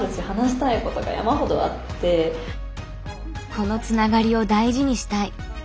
このつながりを大事にしたい。